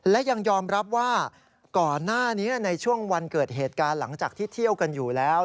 และยังยอมรับว่าก่อนหน้านี้ในช่วงวันเกิดเหตุการณ์หลังจากที่เที่ยวกันอยู่แล้ว